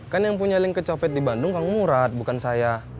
kan yang punya link kecopet di bandung kang murad bukan saya